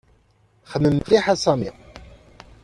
Xemmem mliḥ a Sami.